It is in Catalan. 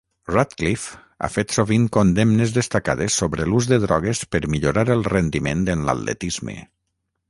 Radcliffe ha fet sovint condemnes destacades sobre l'ús de drogues per millorar el rendiment en l'atletisme.